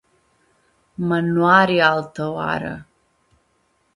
Ma noari altã oarã.